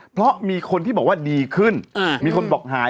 เพราะมีคนที่บอกว่าดีขึ้นมีคนบอกหาย